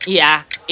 ya itu pasti